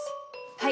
はい。